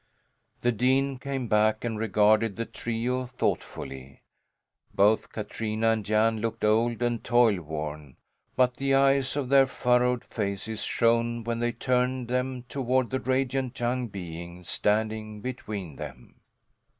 The dean came back and regarded the trio thoughtfully. Both Katrina and Jan looked old and toil worn, but the eyes in their furrowed faces shone when they turned them toward the radiant young being standing between them.